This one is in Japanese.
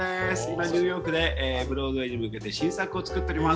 今ニューヨークでブロードウェイに向けて新作を作っております。